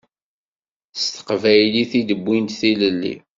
S teqbaylit i d-wwint tilelli.